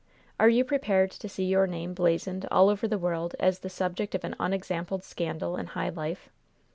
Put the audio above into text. Are you prepared to see your name blazoned all over the world as the subject of an unexampled scandal in high life?